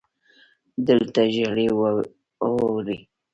دلته ژلۍ ووري